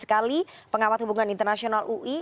sekali pengamat hubungan internasional ui